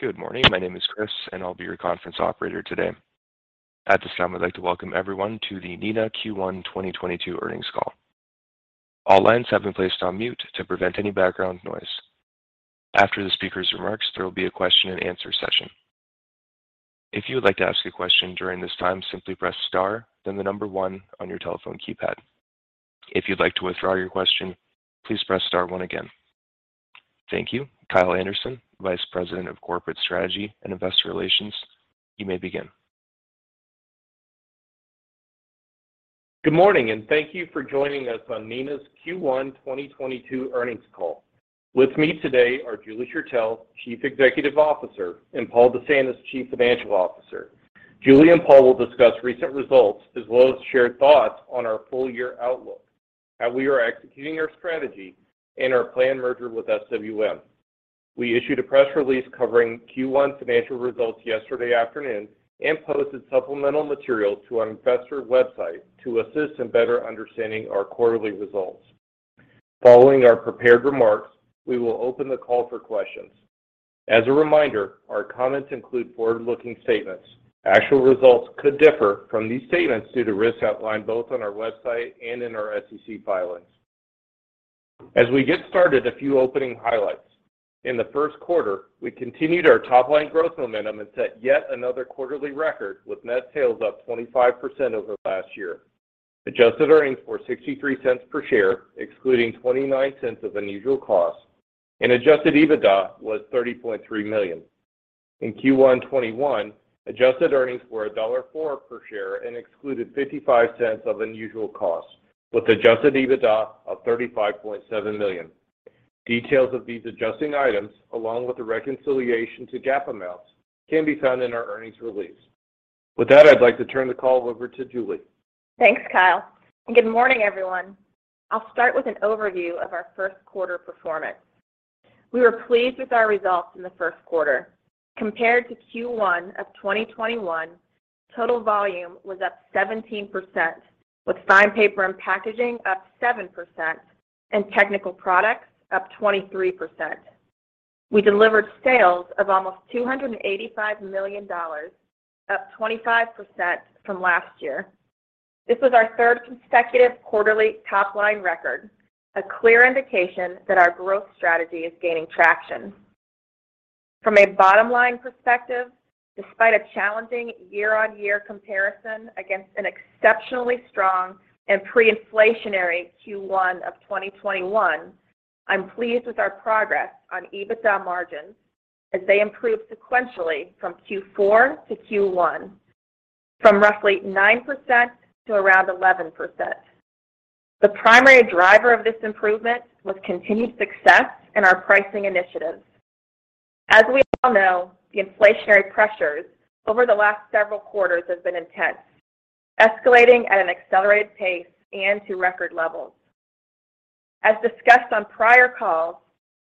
Good morning. My name is Chris, and I'll be your conference operator today. At this time, I'd like to welcome everyone to the Neenah Q1 2022 earnings call. All lines have been placed on mute to prevent any background noise. After the speaker's remarks, there will be a question and answer session. If you would like to ask a question during this time, simply press star, then the number one on your telephone keypad. If you'd like to withdraw your question, please press star one again. Thank you. Kyle Anderson, Vice President of Corporate Strategy and Investor Relations, you may begin. Good morning, and thank you for joining us on Neenah's Q1 2022 earnings call. With me today are Julie Schertell, Chief Executive Officer, and Paul DeSantis, Chief Financial Officer. Julie and Paul will discuss recent results as well as shared thoughts on our full year outlook, how we are executing our strategy, and our planned merger with SWM. We issued a press release covering Q1 financial results yesterday afternoon and posted supplemental material to our investor website to assist in better understanding our quarterly results. Following our prepared remarks, we will open the call for questions. As a reminder, our comments include forward-looking statements. Actual results could differ from these statements due to risks outlined both on our website and in our SEC filings. As we get started, a few opening highlights. In the first quarter, we continued our top-line growth momentum and set yet another quarterly record with net sales up 25% over last year. Adjusted earnings were $0.63 per share, excluding $0.29 of unusual costs, and adjusted EBITDA was $30.3 million. In Q1 2021, adjusted earnings were $1.04 per share and excluded $0.55 of unusual costs, with adjusted EBITDA of $35.7 million. Details of these adjusting items, along with the reconciliation to GAAP amounts, can be found in our earnings release. With that, I'd like to turn the call over to Julie. Thanks, Kyle, and good morning, everyone. I'll start with an overview of our first quarter performance. We were pleased with our results in the first quarter. Compared to Q1 2021, total volume was up 17%, with Fine Paper and Packaging up 7% and Technical Products up 23%. We delivered sales of almost $285 million, up 25% from last year. This was our third consecutive quarterly top-line record, a clear indication that our growth strategy is gaining traction. From a bottom-line perspective, despite a challenging year-on-year comparison against an exceptionally strong and pre-inflationary Q1 2021, I'm pleased with our progress on EBITDA margins as they improve sequentially from Q4 to Q1, from roughly 9% to around 11%. The primary driver of this improvement was continued success in our pricing initiatives. As we all know, the inflationary pressures over the last several quarters have been intense, escalating at an accelerated pace and to record levels. As discussed on prior calls,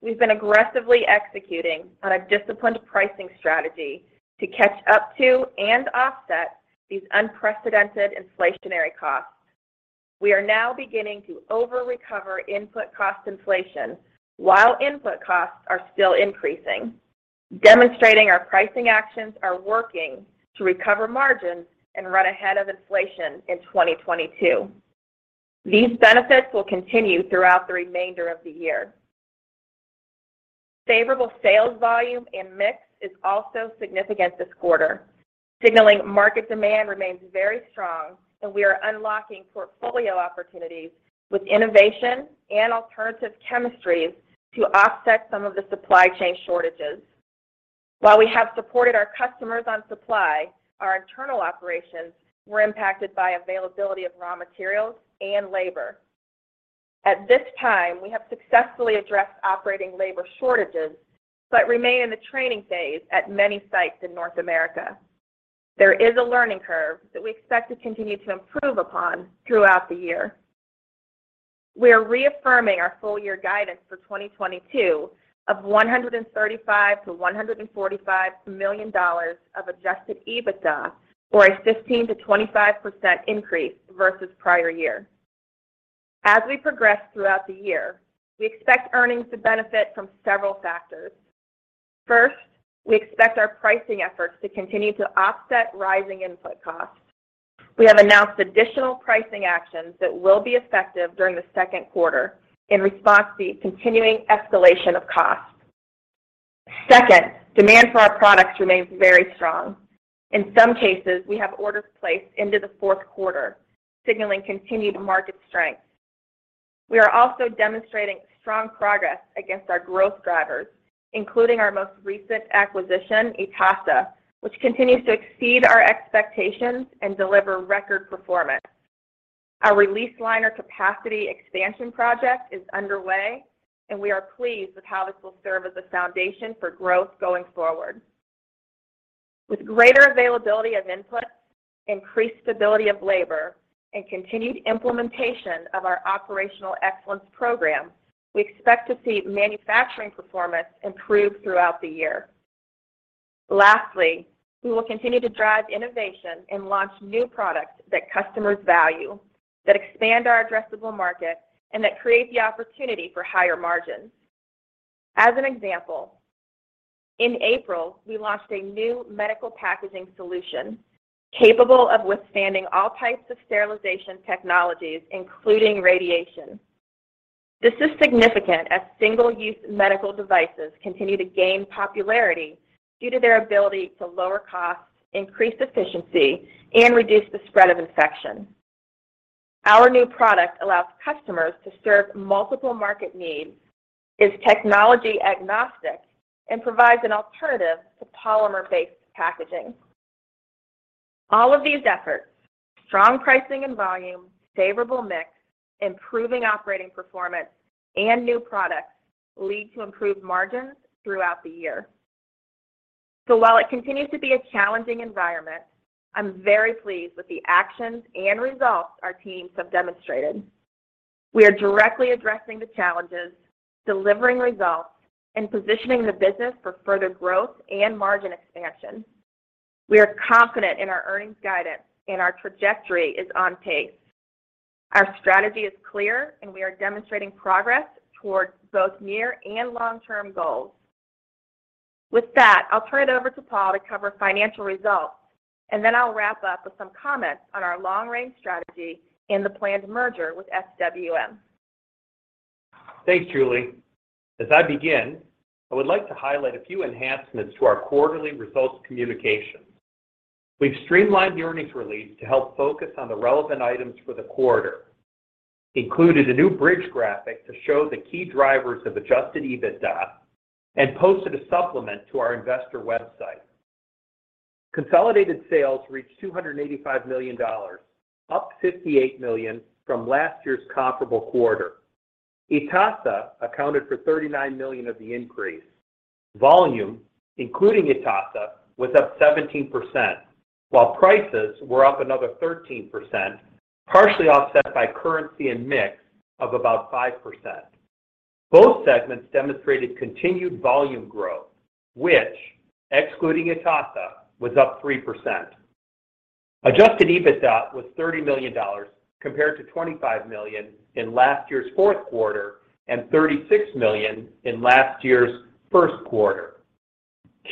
we've been aggressively executing on a disciplined pricing strategy to catch up to and offset these unprecedented inflationary costs. We are now beginning to over-recover input cost inflation while input costs are still increasing, demonstrating our pricing actions are working to recover margins and run ahead of inflation in 2022. These benefits will continue throughout the remainder of the year. Favorable sales volume and mix is also significant this quarter, signaling market demand remains very strong, and we are unlocking portfolio opportunities with innovation and alternative chemistries to offset some of the supply chain shortages. While we have supported our customers on supply, our internal operations were impacted by availability of raw materials and labor. At this time, we have successfully addressed operating labor shortages but remain in the training phase at many sites in North America. There is a learning curve that we expect to continue to improve upon throughout the year. We are reaffirming our full year guidance for 2022 of $135 million-$145 million of adjusted EBITDA, or a 15%-25% increase versus prior year. As we progress throughout the year, we expect earnings to benefit from several factors. First, we expect our pricing efforts to continue to offset rising input costs. We have announced additional pricing actions that will be effective during the second quarter in response to continuing escalation of costs. Second, demand for our products remains very strong. In some cases, we have orders placed into the fourth quarter, signaling continued market strength. We are also demonstrating strong progress against our growth drivers, including our most recent acquisition, Itasa, which continues to exceed our expectations and deliver record performance. Our release liner capacity expansion project is underway, and we are pleased with how this will serve as a foundation for growth going forward. With greater availability of inputs, increased stability of labor, and continued implementation of our operational excellence program, we expect to see manufacturing performance improve throughout the year. Lastly, we will continue to drive innovation and launch new products that customers value that expand our addressable market and that create the opportunity for higher margins. As an example, in April, we launched a new medical packaging solution capable of withstanding all types of sterilization technologies, including radiation. This is significant as single-use medical devices continue to gain popularity due to their ability to lower costs, increase efficiency, and reduce the spread of infection. Our new product allows customers to serve multiple market needs, is technology agnostic, and provides an alternative to polymer-based packaging. All of these efforts, strong pricing and volume, favorable mix, improving operating performance, and new products lead to improved margins throughout the year. While it continues to be a challenging environment, I'm very pleased with the actions and results our teams have demonstrated. We are directly addressing the challenges, delivering results, and positioning the business for further growth and margin expansion. We are confident in our earnings guidance, and our trajectory is on pace. Our strategy is clear, and we are demonstrating progress towards both near and long-term goals. With that, I'll turn it over to Paul to cover financial results, and then I'll wrap up with some comments on our long-range strategy and the planned merger with SWM. Thanks, Julie. As I begin, I would like to highlight a few enhancements to our quarterly results communication. We've streamlined the earnings release to help focus on the relevant items for the quarter, included a new bridge graphic to show the key drivers of adjusted EBITDA, and posted a supplement to our investor website. Consolidated sales reached $285 million, up $58 million from last year's comparable quarter. Itasa accounted for $39 million of the increase. Volume, including Itasa, was up 17%, while prices were up another 13%, partially offset by currency and mix of about 5%. Both segments demonstrated continued volume growth, which excluding Itasa, was up 3%. Adjusted EBITDA was $30 million compared to $25 million in last year's fourth quarter and $36 million in last year's first quarter.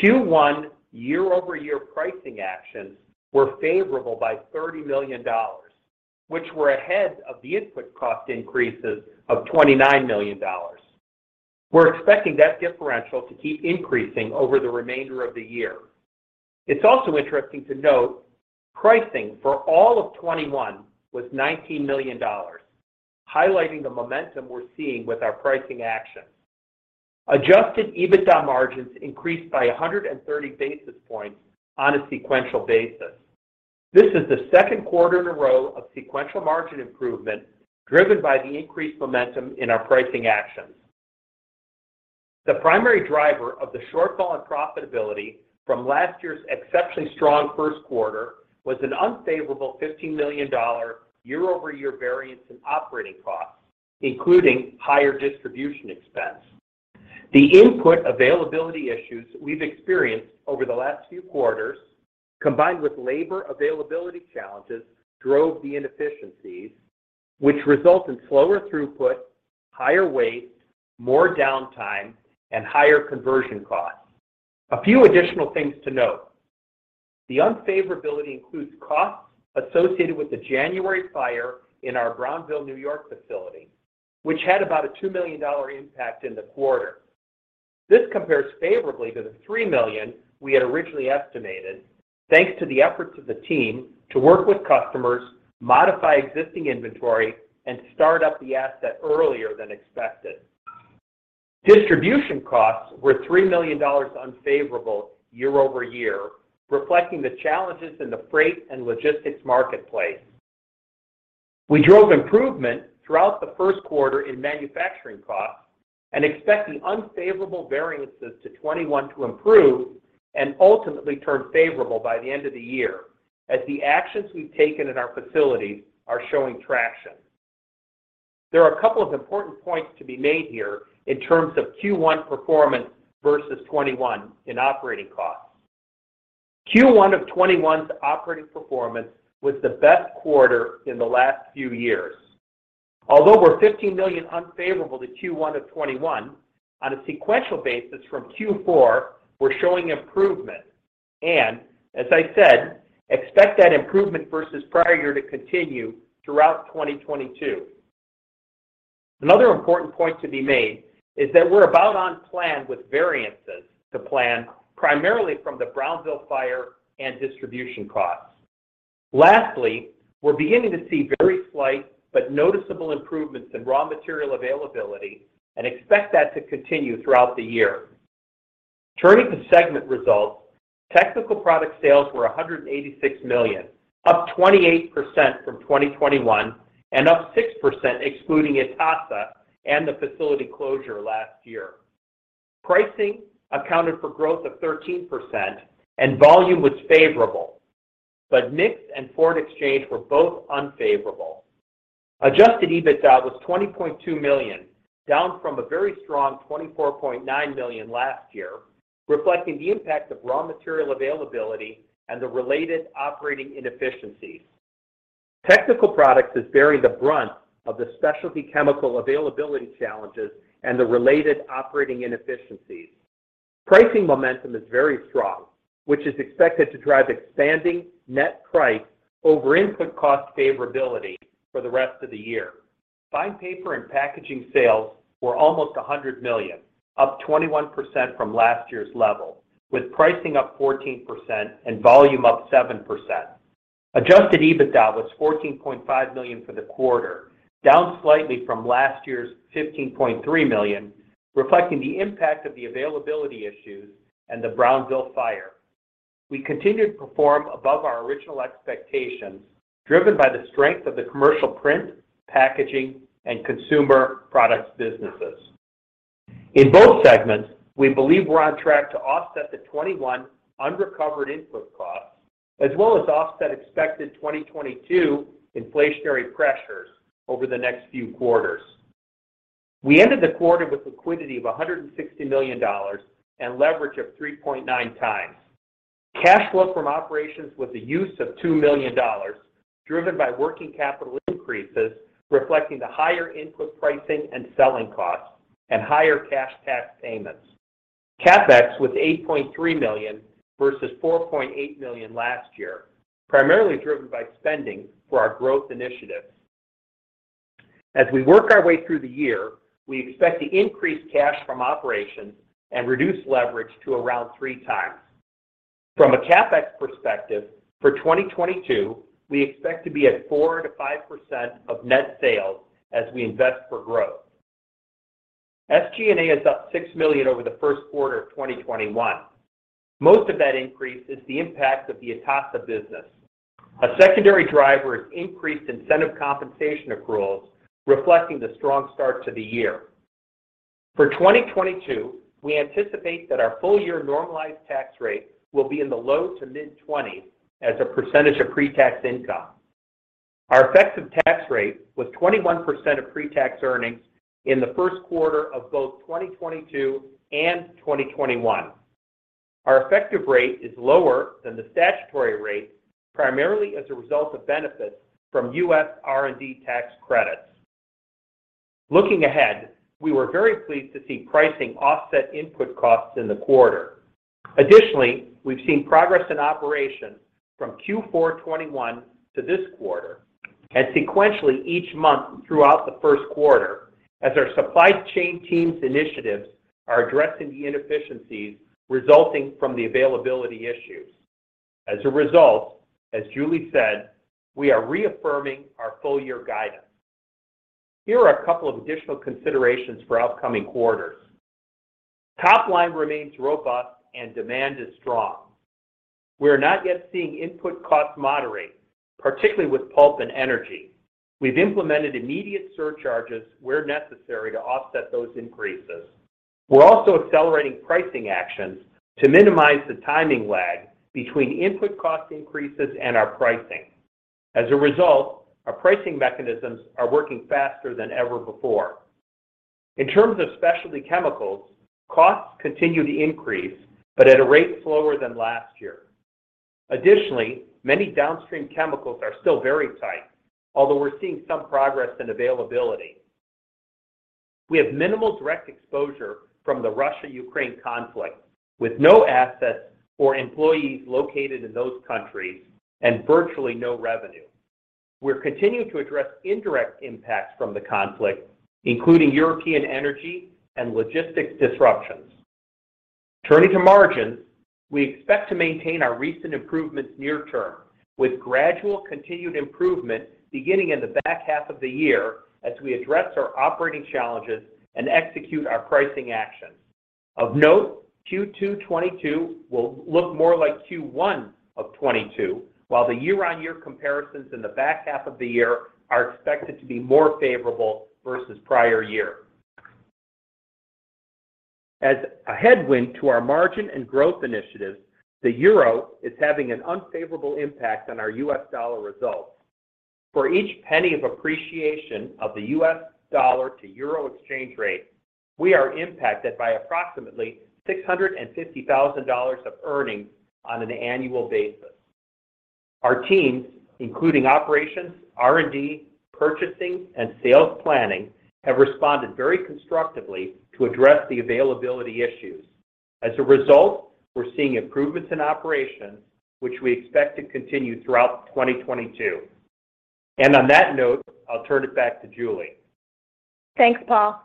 Q1 year-over-year pricing actions were favorable by $30 million, which were ahead of the input cost increases of $29 million. We're expecting that differential to keep increasing over the remainder of the year. It's also interesting to note pricing for all of 2021 was $19 million, highlighting the momentum we're seeing with our pricing actions. Adjusted EBITDA margins increased by 130 basis points on a sequential basis. This is the second quarter in a row of sequential margin improvement driven by the increased momentum in our pricing actions. The primary driver of the shortfall in profitability from last year's exceptionally strong first quarter was an unfavorable $15 million year-over-year variance in operating costs, including higher distribution expense. The input availability issues we've experienced over the last few quarters, combined with labor availability challenges, drove the inefficiencies, which result in slower throughput, higher waste, more downtime, and higher conversion costs. A few additional things to note. The unfavorability includes costs associated with the January fire in our Brownville, New York facility, which had about a $2 million impact in the quarter. This compares favorably to the $3 million we had originally estimated, thanks to the efforts of the team to work with customers, modify existing inventory, and start up the asset earlier than expected. Distribution costs were $3 million unfavorable year-over-year, reflecting the challenges in the freight and logistics marketplace. We drove improvement throughout the first quarter in manufacturing costs and expect the unfavorable variances to 2021 to improve and ultimately turn favorable by the end of the year as the actions we've taken in our facilities are showing traction. There are a couple of important points to be made here in terms of Q1 performance versus 2021 in operating costs. Q1 2021's operating performance was the best quarter in the last few years. Although we're $15 million unfavorable to Q1 2021, on a sequential basis from Q4, we're showing improvement and, as I said, expect that improvement versus prior year to continue throughout 2022. Another important point to be made is that we're about on plan with variances to plan primarily from the Brownville fire and distribution costs. Lastly, we're beginning to see very slight but noticeable improvements in raw material availability and expect that to continue throughout the year. Turning to segment results, Technical Products sales were $186 million, up 28% from 2021 and up 6% excluding Itasa and the facility closure last year. Pricing accounted for growth of 13% and volume was favorable, but mix and foreign exchange were both unfavorable. Adjusted EBITDA was $20.2 million. Down from a very strong $24.9 million last year, reflecting the impact of raw material availability and the related operating inefficiencies. Technical Products is bearing the brunt of the specialty chemical availability challenges and the related operating inefficiencies. Pricing momentum is very strong, which is expected to drive expanding net price over input cost favorability for the rest of the year. Fine Paper and Packaging sales were almost $100 million, up 21% from last year's level, with pricing up 14% and volume up 7%. Adjusted EBITDA was $14.5 million for the quarter, down slightly from last year's $15.3 million, reflecting the impact of the availability issues and the Brownville fire. We continued to perform above our original expectations, driven by the strength of the commercial print, packaging, and consumer products businesses. In both segments, we believe we're on track to offset the $21 million unrecovered input costs as well as offset expected 2022 inflationary pressures over the next few quarters. We ended the quarter with liquidity of $160 million and leverage of 3.9x. Cash flow from operations was a use of $2 million, driven by working capital increases reflecting the higher input pricing and selling costs and higher cash tax payments. CapEx was $8.3 million versus $4.8 million last year, primarily driven by spending for our growth initiatives. As we work our way through the year, we expect to increase cash from operations and reduce leverage to around 3x. From a CapEx perspective, for 2022, we expect to be at 4%-5% of net sales as we invest for growth. SG&A is up $6 million over the first quarter of 2021. Most of that increase is the impact of the Itasa business. A secondary driver is increased incentive compensation accruals reflecting the strong start to the year. For 2022, we anticipate that our full year normalized tax rate will be in the low to mid-20s as a percentage of pre-tax income. Our effective tax rate was 21% of pre-tax earnings in the first quarter of both 2022 and 2021. Our effective rate is lower than the statutory rate primarily as a result of benefits from U.S. R&D tax credits. Looking ahead, we were very pleased to see pricing offset input costs in the quarter. Additionally, we've seen progress in operations from Q4 2021 to this quarter and sequentially each month throughout the first quarter as our supply chain team's initiatives are addressing the inefficiencies resulting from the availability issues. As a result, as Julie said, we are reaffirming our full year guidance. Here are a couple of additional considerations for upcoming quarters. Top line remains robust and demand is strong. We are not yet seeing input costs moderate, particularly with pulp and energy. We've implemented immediate surcharges where necessary to offset those increases. We're also accelerating pricing actions to minimize the timing lag between input cost increases and our pricing. As a result, our pricing mechanisms are working faster than ever before. In terms of specialty chemicals, costs continue to increase, but at a rate slower than last year. Additionally, many downstream chemicals are still very tight, although we're seeing some progress in availability. We have minimal direct exposure from the Russia-Ukraine conflict, with no assets or employees located in those countries and virtually no revenue. We're continuing to address indirect impacts from the conflict, including European energy and logistics disruptions. Turning to margins, we expect to maintain our recent improvements near term, with gradual continued improvement beginning in the back half of the year as we address our operating challenges and execute our pricing actions. Of note, Q2 2022 will look more like Q1 2022, while the year-on-year comparisons in the back half of the year are expected to be more favorable versus prior year. As a headwind to our margin and growth initiatives, the euro is having an unfavorable impact on our U.S. dollar results. For each penny of appreciation of the U.S. dollar to euro exchange rate, we are impacted by approximately $650,000 of earnings on an annual basis. Our teams, including operations, R&D, purchasing, and sales planning, have responded very constructively to address the availability issues. As a result, we're seeing improvements in operations which we expect to continue throughout 2022. On that note, I'll turn it back to Julie. Thanks, Paul.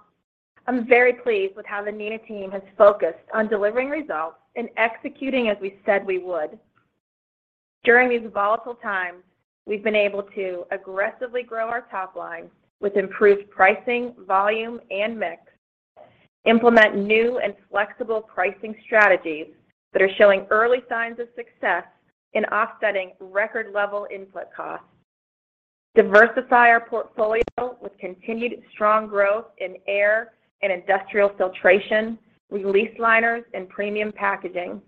I'm very pleased with how the Neenah team has focused on delivering results and executing as we said we would. During these volatile times, we've been able to aggressively grow our top line with improved pricing, volume, and mix, implement new and flexible pricing strategies that are showing early signs of success in offsetting record-level input costs, diversify our portfolio with continued strong growth in air and industrial filtration, release liners, and premium packaging.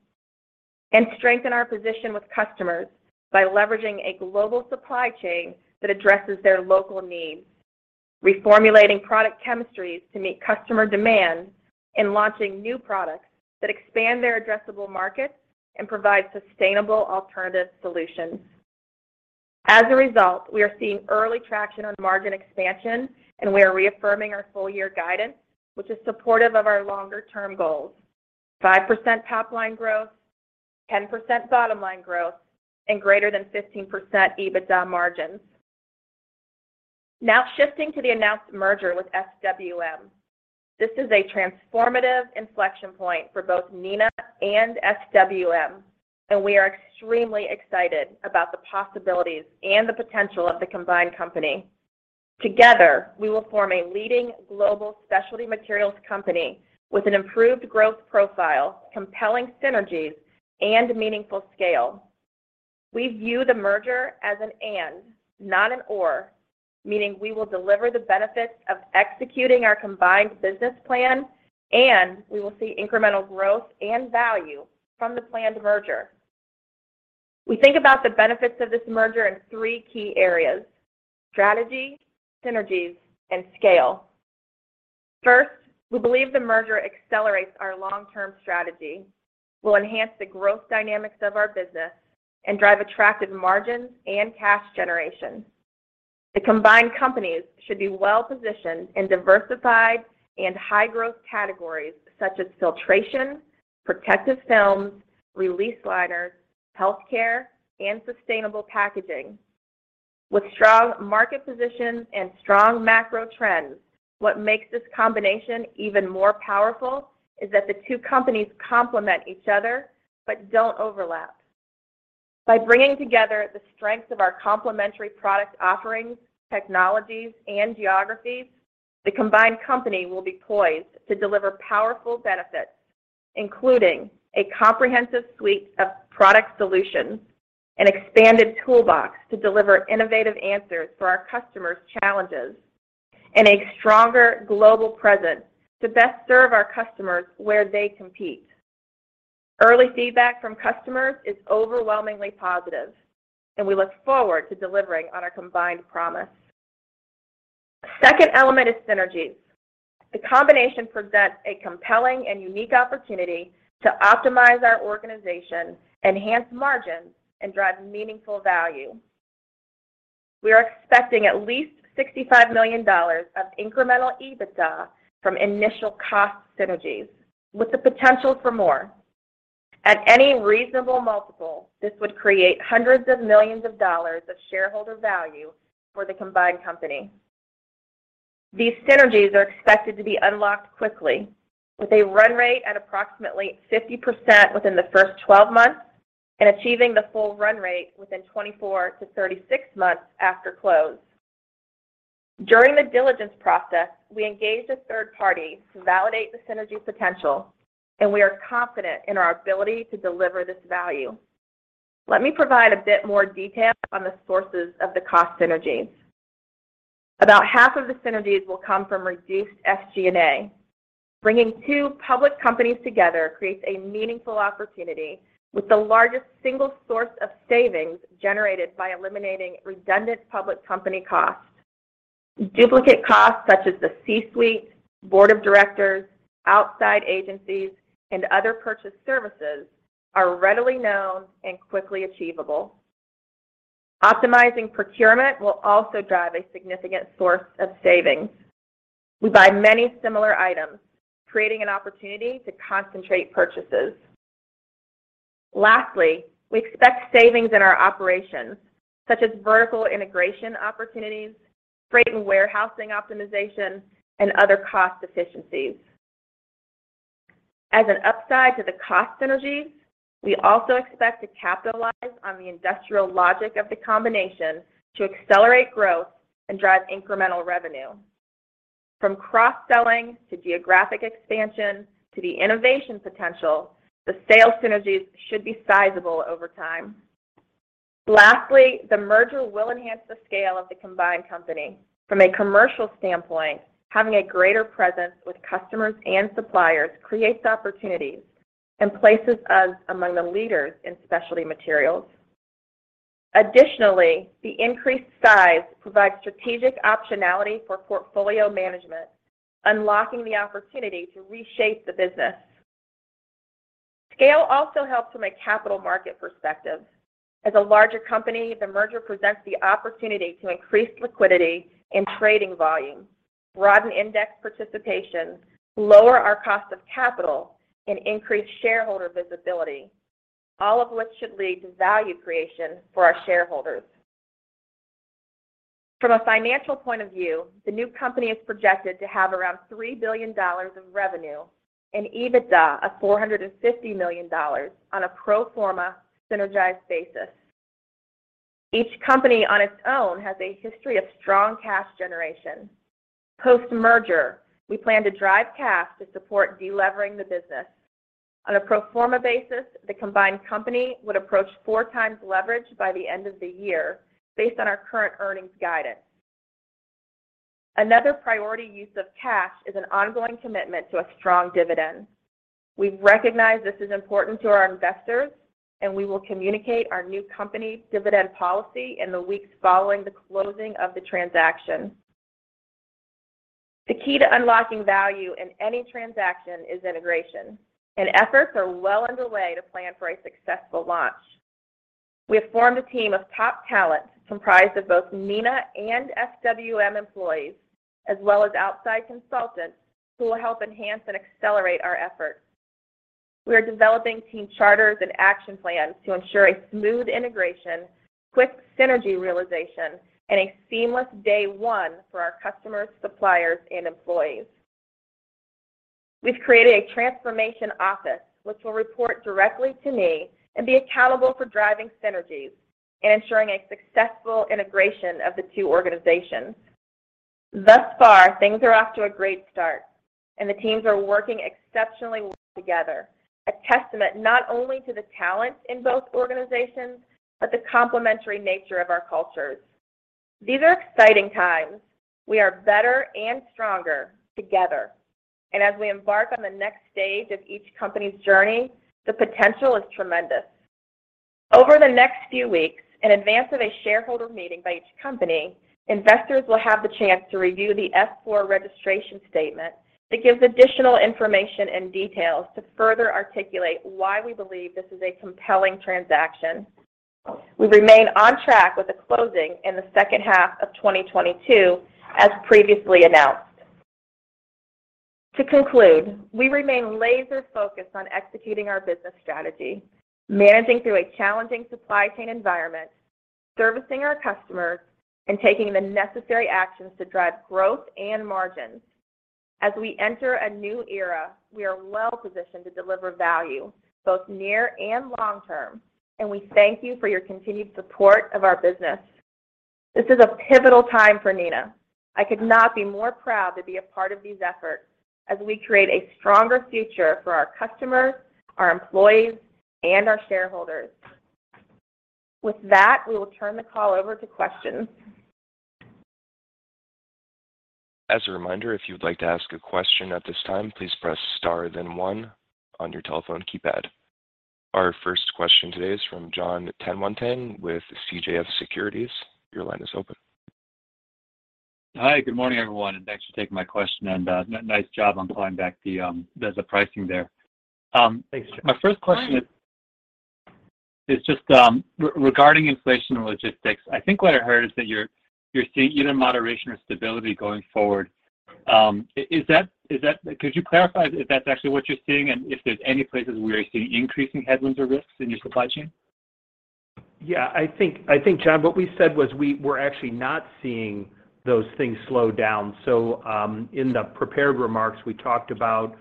Strengthen our position with customers by leveraging a global supply chain that addresses their local needs, reformulating product chemistries to meet customer demand, and launching new products that expand their addressable markets and provide sustainable alternative solutions. As a result, we are seeing early traction on margin expansion, and we are reaffirming our full year guidance, which is supportive of our longer term goals. 5% top line growth, 10% bottom line growth, and greater than 15% EBITDA margins. Now shifting to the announced merger with SWM. This is a transformative inflection point for both Neenah and SWM, and we are extremely excited about the possibilities and the potential of the combined company. Together, we will form a leading global specialty materials company with an improved growth profile, compelling synergies, and meaningful scale. We view the merger as an and, not an or, meaning we will deliver the benefits of executing our combined business plan, and we will see incremental growth and value from the planned merger. We think about the benefits of this merger in three key areas. Strategy, synergies, and scale. First, we believe the merger accelerates our long-term strategy, will enhance the growth dynamics of our business, and drive attractive margins and cash generation. The combined companies should be well-positioned in diversified and high-growth categories such as filtration, protective films, release liners, healthcare, and sustainable packaging. With strong market positions and strong macro trends, what makes this combination even more powerful is that the two companies complement each other but don't overlap. By bringing together the strengths of our complementary product offerings, technologies, and geographies, the combined company will be poised to deliver powerful benefits, including a comprehensive suite of product solutions, an expanded toolbox to deliver innovative answers for our customers' challenges, and a stronger global presence to best serve our customers where they compete. Early feedback from customers is overwhelmingly positive, and we look forward to delivering on our combined promise. Second element is synergies. The combination presents a compelling and unique opportunity to optimize our organization, enhance margins, and drive meaningful value. We are expecting at least $65 million of incremental EBITDA from initial cost synergies with the potential for more. At any reasonable multiple, this would create hundreds of millions of dollars of shareholder value for the combined company. These synergies are expected to be unlocked quickly with a run rate at approximately 50% within the first 12 months and achieving the full run rate within 24-36 months after close. During the diligence process, we engaged a third party to validate the synergy potential, and we are confident in our ability to deliver this value. Let me provide a bit more detail on the sources of the cost synergies. About half of the synergies will come from reduced SG&A. Bringing two public companies together creates a meaningful opportunity with the largest single source of savings generated by eliminating redundant public company costs. Duplicate costs such as the C-suite, board of directors, outside agencies, and other purchased services are readily known and quickly achievable. Optimizing procurement will also drive a significant source of savings. We buy many similar items, creating an opportunity to concentrate purchases. Lastly, we expect savings in our operations, such as vertical integration opportunities, freight and warehousing optimization, and other cost efficiencies. As an upside to the cost synergies, we also expect to capitalize on the industrial logic of the combination to accelerate growth and drive incremental revenue. From cross-selling to geographic expansion to the innovation potential, the sales synergies should be sizable over time. Lastly, the merger will enhance the scale of the combined company. From a commercial standpoint, having a greater presence with customers and suppliers creates opportunities and places us among the leaders in specialty materials. Additionally, the increased size provides strategic optionality for portfolio management, unlocking the opportunity to reshape the business. Scale also helps from a capital market perspective. As a larger company, the merger presents the opportunity to increase liquidity and trading volume, broaden index participation, lower our cost of capital, and increase shareholder visibility, all of which should lead to value creation for our shareholders. From a financial point of view, the new company is projected to have around $3 billion of revenue and EBITDA of $450 million on a pro forma synergized basis. Each company on its own has a history of strong cash generation. Post-merger, we plan to drive cash to support delevering the business. On a pro forma basis, the combined company would approach 4x leverage by the end of the year based on our current earnings guidance. Another priority use of cash is an ongoing commitment to a strong dividend. We recognize this is important to our investors, and we will communicate our new company dividend policy in the weeks following the closing of the transaction. The key to unlocking value in any transaction is integration, and efforts are well underway to plan for a successful launch. We have formed a team of top talent comprised of both Neenah and SWM employees, as well as outside consultants who will help enhance and accelerate our efforts. We are developing team charters and action plans to ensure a smooth integration, quick synergy realization, and a seamless day one for our customers, suppliers, and employees. We've created a transformation office which will report directly to me and be accountable for driving synergies and ensuring a successful integration of the two organizations. Thus far, things are off to a great start, and the teams are working exceptionally well together, a testament not only to the talent in both organizations, but the complementary nature of our cultures. These are exciting times. We are better and stronger together. As we embark on the next stage of each company's journey, the potential is tremendous. Over the next few weeks, in advance of a shareholder meeting by each company, investors will have the chance to review the S-4 registration statement that gives additional information and details to further articulate why we believe this is a compelling transaction. We remain on track with the closing in the second half of 2022, as previously announced. To conclude, we remain laser-focused on executing our business strategy, managing through a challenging supply chain environment, servicing our customers, and taking the necessary actions to drive growth and margins. As we enter a new era, we are well positioned to deliver value both near and long-term, and we thank you for your continued support of our business. This is a pivotal time for Neenah. I could not be more proud to be a part of these efforts as we create a stronger future for our customers, our employees, and our shareholders. With that, we will turn the call over to questions. As a reminder, if you would like to ask a question at this time, please press star then one on your telephone keypad. Our first question today is from Jonathan Tanwanteng with CJS Securities. Your line is open. Hi. Good morning, everyone, and thanks for taking my question. Nice job on calling back the pricing there. Thanks, John. My first question is just regarding inflation and logistics. I think what I heard is that you're seeing either moderation or stability going forward. Could you clarify if that's actually what you're seeing, and if there's any places where you're seeing increasing headwinds or risks in your supply chain? Yeah. I think, John, what we said was we're actually not seeing those things slow down. In the prepared remarks, we talked about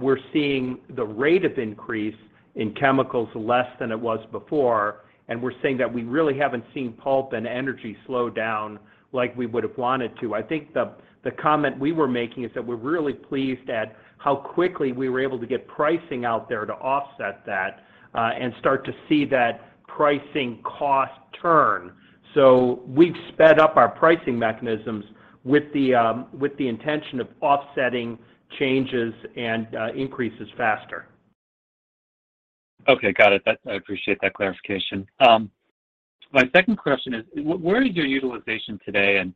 we're seeing the rate of increase in chemicals less than it was before, and we're saying that we really haven't seen pulp and energy slow down like we would have wanted to. I think the comment we were making is that we're really pleased at how quickly we were able to get pricing out there to offset that, and start to see that pricing cost turn. We've sped up our pricing mechanisms with the intention of offsetting changes and increases faster. Okay. Got it. That I appreciate that clarification. My second question is where is your utilization today, and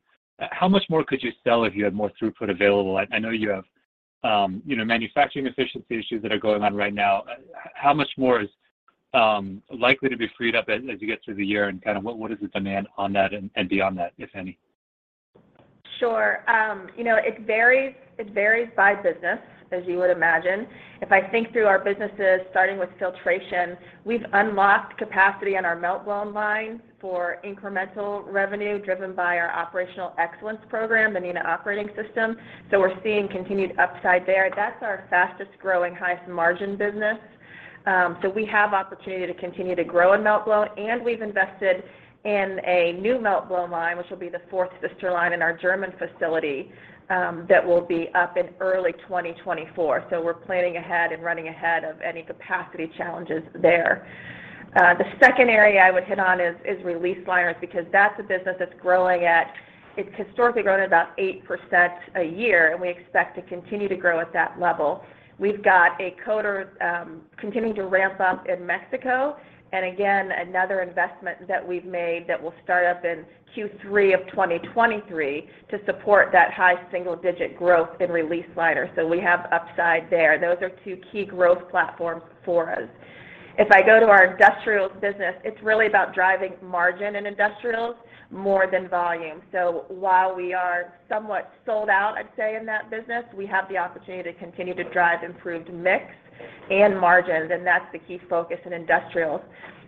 how much more could you sell if you had more throughput available? I know you have, you know, manufacturing efficiency issues that are going on right now. How much more is likely to be freed up as you get through the year, and kind of what is the demand on that and beyond that, if any? Sure. You know, it varies. It varies by business, as you would imagine. If I think through our businesses, starting with filtration, we've unlocked capacity on our meltblown line for incremental revenue driven by our operational excellence program, the Neenah Operating System, so we're seeing continued upside there. That's our fastest-growing, highest-margin business. We have opportunity to continue to grow in meltblown, and we've invested in a new meltblown line, which will be the fourth sister line in our German facility, that will be up in early 2024. We're planning ahead and running ahead of any capacity challenges there. The second area I would hit on is release liners because that's a business that's growing at. It's historically grown at about 8% a year, and we expect to continue to grow at that level. We've got a coater continuing to ramp up in Mexico, and again, another investment that we've made that will start up in Q3 2023 to support that high single-digit growth in release liners. We have upside there. Those are two key growth platforms for us. If I go to our industrials business, it's really about driving margin in industrials more than volume. While we are somewhat sold out, I'd say, in that business, we have the opportunity to continue to drive improved mix and margins, and that's the key focus in industrials.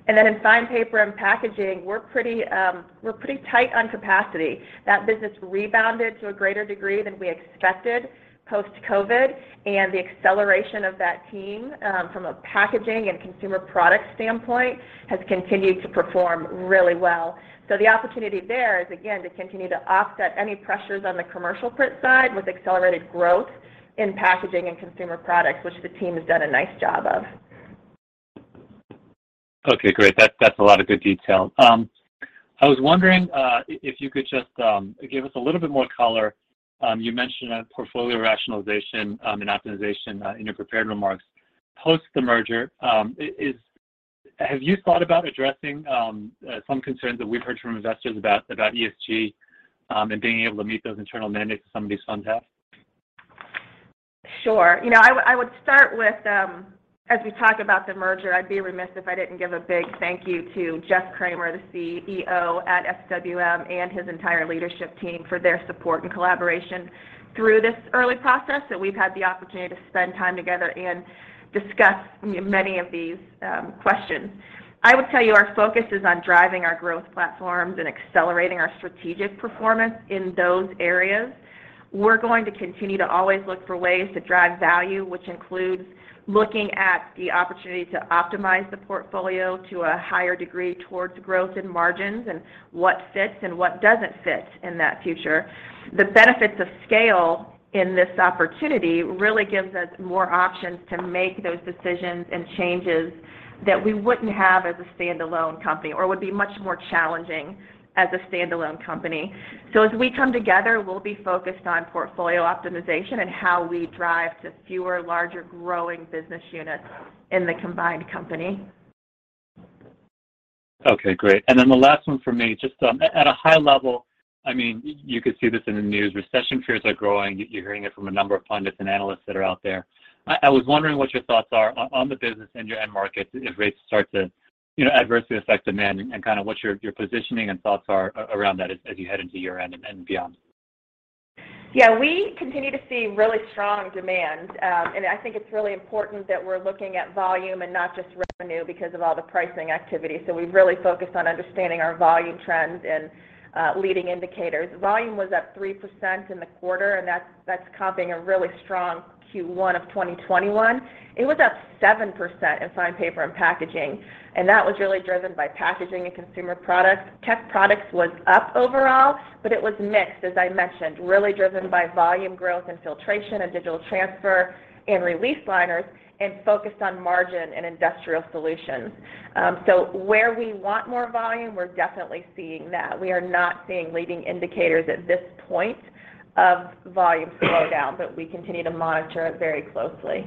Then in Fine Paper and Packaging, we're pretty tight on capacity. That business rebounded to a greater degree than we expected post-COVID, and the acceleration of that team from a packaging and consumer products standpoint has continued to perform really well. The opportunity there is, again, to continue to offset any pressures on the commercial print side with accelerated growth in packaging and consumer products, which the team has done a nice job of. Okay, great. That's a lot of good detail. I was wondering if you could just give us a little bit more color. You mentioned a portfolio rationalization and optimization in your prepared remarks. Post the merger, have you thought about addressing some concerns that we've heard from investors about ESG and being able to meet those internal mandates some of these funds have? Sure. You know, I would start with, as we talk about the merger, I'd be remiss if I didn't give a big thank you to Jeff Kramer, the CEO at SWM, and his entire leadership team for their support and collaboration through this early process that we've had the opportunity to spend time together and discuss many of these questions. I would tell you our focus is on driving our growth platforms and accelerating our strategic performance in those areas. We're going to continue to always look for ways to drive value, which includes looking at the opportunity to optimize the portfolio to a higher degree towards growth and margins and what fits and what doesn't fit in that future. The benefits of scale in this opportunity really gives us more options to make those decisions and changes that we wouldn't have as a standalone company or would be much more challenging as a standalone company. As we come together, we'll be focused on portfolio optimization and how we drive to fewer, larger growing business units in the combined company. Okay, great. The last one for me, just, at a high level, I mean, you could see this in the news, recession fears are growing. You're hearing it from a number of pundits and analysts that are out there. I was wondering what your thoughts are on the business and your end markets if rates start to, you know, adversely affect demand and what your positioning and thoughts are around that as you head into year-end and beyond. Yeah, we continue to see really strong demand. I think it's really important that we're looking at volume and not just revenue because of all the pricing activity. We've really focused on understanding our volume trends and leading indicators. Volume was up 3% in the quarter, and that's comping a really strong Q1 2021. It was up 7% in Fine Paper and Packaging, and that was really driven by packaging and consumer products. Technical Products was up overall, but it was mixed, as I mentioned, really driven by volume growth in filtration and digital transfer and release liners and focused on margin in Industrial Solutions. Where we want more volume, we're definitely seeing that. We are not seeing leading indicators at this point of volume slow down, but we continue to monitor it very closely.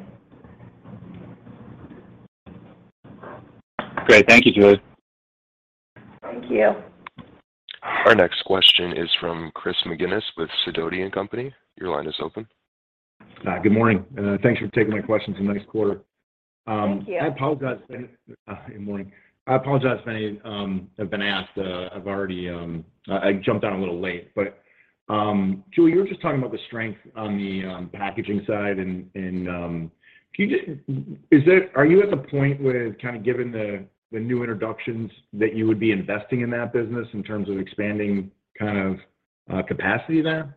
Great. Thank you, Julie. Thank you. Our next question is from Chris McGinnis with SIDOTI & Company. Your line is open. Good morning, and thanks for taking my questions. Have a nice quarter. Thank you. Good morning. I apologize if any have been asked. I've already jumped on a little late. Julie, you were just talking about the strength on the packaging side and are you at the point where, given the new introductions, you would be investing in that business in terms of expanding capacity there?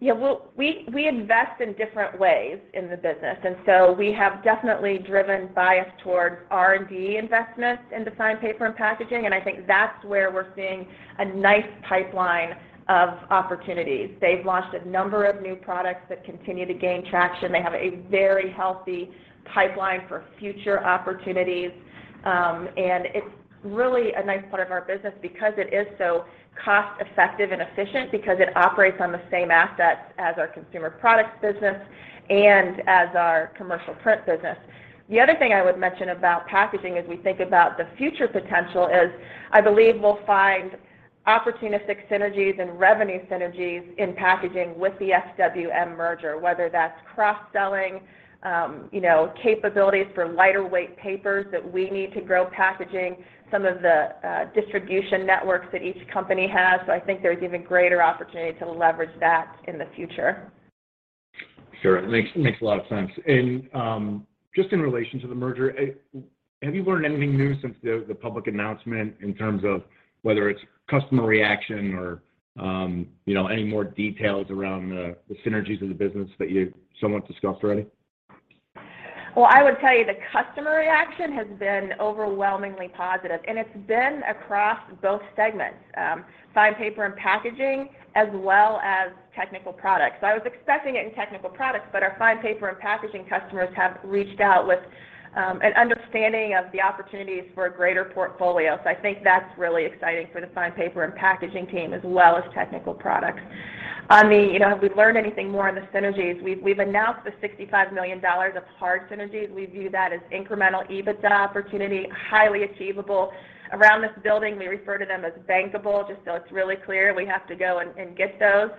Yeah. Well, we invest in different ways in the business, and so we have definitely driven bias towards R&D investments in the Fine Paper and Packaging, and I think that's where we're seeing a nice pipeline of opportunities. They've launched a number of new products that continue to gain traction. They have a very healthy pipeline for future opportunities. And it's really a nice part of our business because it is so cost-effective and efficient because it operates on the same assets as our consumer products business and as our commercial print business. The other thing I would mention about packaging as we think about the future potential is I believe we'll find opportunistic synergies and revenue synergies in packaging with the SWM merger, whether that's cross-selling, you know, capabilities for lighter weight papers that we need to grow packaging, some of the distribution networks that each company has. I think there's even greater opportunity to leverage that in the future. Sure. It makes a lot of sense. Just in relation to the merger, have you learned anything new since the public announcement in terms of whether it's customer reaction or, you know, any more details around the synergies of the business that you somewhat discussed already? Well, I would tell you the customer reaction has been overwhelmingly positive, and it's been across both segments, Fine Paper and Packaging, as well as Technical Products. I was expecting it in Technical Products, but our Fine Paper and Packaging customers have reached out with an understanding of the opportunities for a greater portfolio. I think that's really exciting for the Fine Paper and Packaging team as well as Technical Products. On the, you know, have we learned anything more on the synergies, we've announced the $65 million of hard synergies. We view that as incremental EBITDA opportunity, highly achievable. Around this building, we refer to them as bankable, just so it's really clear we have to go and get those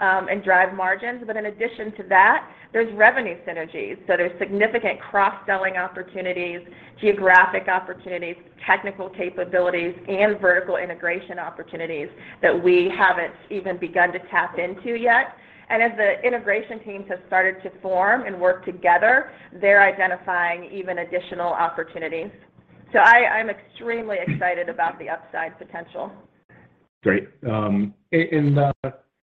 and drive margins. But in addition to that, there's revenue synergies. There's significant cross-selling opportunities, geographic opportunities, technical capabilities, and vertical integration opportunities that we haven't even begun to tap into yet. As the integration teams have started to form and work together, they're identifying even additional opportunities. I'm extremely excited about the upside potential. Great. And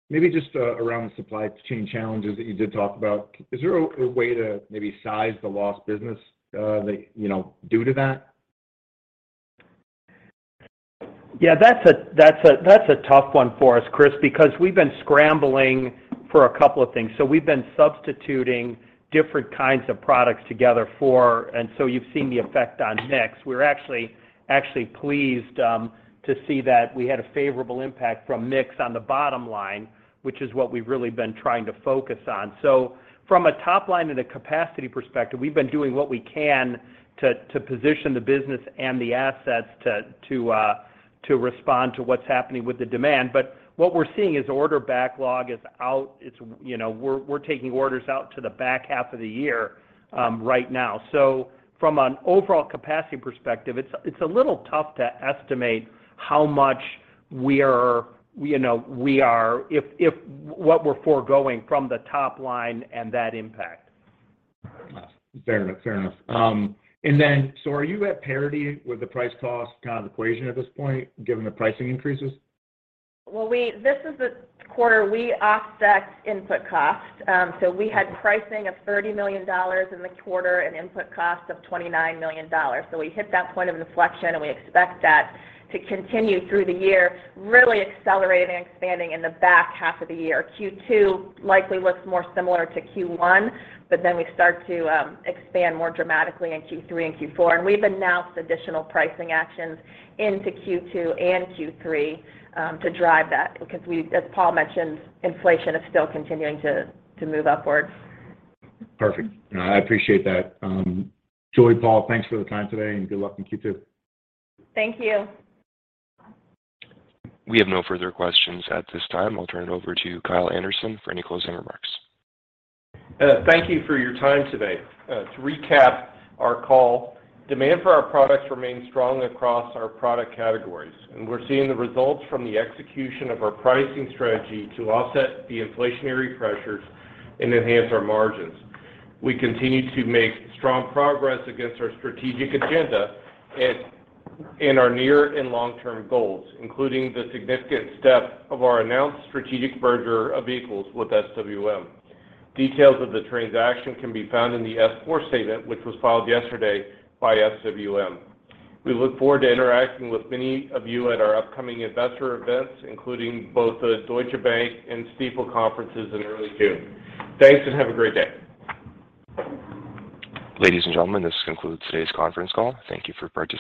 maybe just around the supply chain challenges that you did talk about, is there a way to maybe size the lost business that you know due to that? Yeah, that's a tough one for us, Chris, because we've been scrambling for a couple of things. We've been substituting different kinds of products together. You've seen the effect on mix. We're actually pleased to see that we had a favorable impact from mix on the bottom line, which is what we've really been trying to focus on. From a top line and a capacity perspective, we've been doing what we can to position the business and the assets to respond to what's happening with the demand. What we're seeing is order backlog is out. It's, you know, we're taking orders out to the back half of the year, right now. From an overall capacity perspective, it's a little tough to estimate how much, you know, we're foregoing from the top line and that impact. Fair enough. Are you at parity with the price cost kind of equation at this point, given the pricing increases? This is the quarter we offset input costs. We had pricing of $30 million in the quarter and input costs of $29 million. We hit that point of inflection, and we expect that to continue through the year, really accelerating and expanding in the back half of the year. Q2 likely looks more similar to Q1, but then we start to expand more dramatically in Q3 and Q4. We've announced additional pricing actions into Q2 and Q3 to drive that because as Paul mentioned, inflation is still continuing to move upwards. Perfect. I appreciate that. Julie, Paul, thanks for the time today, and good luck in Q2. Thank you. We have no further questions at this time. I'll turn it over to Kyle Anderson for any closing remarks. Thank you for your time today. To recap our call, demand for our products remains strong across our product categories, and we're seeing the results from the execution of our pricing strategy to offset the inflationary pressures and enhance our margins. We continue to make strong progress against our strategic agenda and our near and long-term goals, including the significant step of our announced strategic merger of equals with SWM. Details of the transaction can be found in the S-4 statement, which was filed yesterday by SWM. We look forward to interacting with many of you at our upcoming investor events, including both the Deutsche Bank and Stifel conferences in early June. Thanks, and have a great day. Ladies and gentlemen, this concludes today's conference call. Thank you for participating.